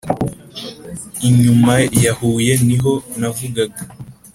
inyuma ya huye ni ho navugaga